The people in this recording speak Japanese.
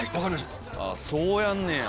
そうやんねや。